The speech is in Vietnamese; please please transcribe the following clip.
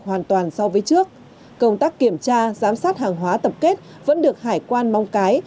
hoàn toàn so với trước công tác kiểm tra giám sát hàng hóa tập kết vẫn được hải quan mong cái